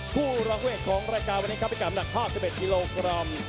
กูรังเวทของรายการวันนี้ครับพี่กำหนัก๕๑กิโลกรัม